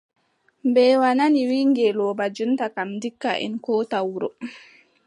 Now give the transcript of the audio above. Mbeewa nani wiʼi ngeelooba jonta kam, ndikka en koota wuro.